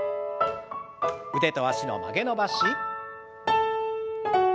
腕と脚の曲げ伸ばし。